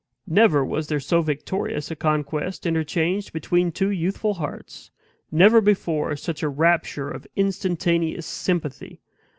Never was there so victorious a conquest interchanged between two youthful hearts never before such a rapture of instantaneous sympathy.